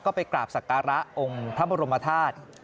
ก็ไปกราบศักระองค์พระบรมธาตุ